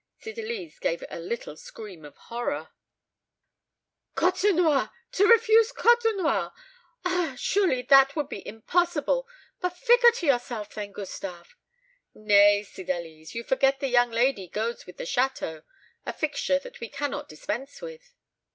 Cydalise gave a little scream of horror. "Côtenoir! to refuse Côtenoir! Ah, surely that would be impossible! But figure to yourself, then, Gustave " "Nay, Cydalise, you forget the young lady goes with the château; a fixture that we cannot dispense with."